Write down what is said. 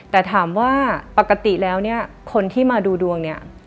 แต่ถามว่าปกติแล้วคนที่มาดูดวง